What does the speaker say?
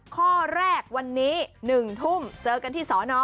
ข้อแรกวันนี้๑ทุ่มเจอกันที่สอนอ